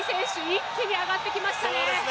一気に上がってきましたね。